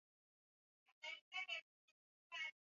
nyeusi nywele zilizonyogea kidogo tajiri usoni Mara